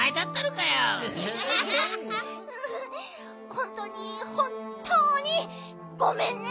ほんとうにほんとうにごめんね！